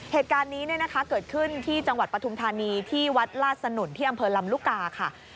เหตุการณ์นี้เกิดขึ้นที่จังหวัดปฐุมธานีที่วัดลาดสนุนที่อำเภอลำลูกกาค่ะ